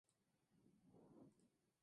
Y sin la degeneración.